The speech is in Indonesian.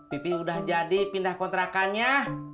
pipi udah jadi pindah kontrakannya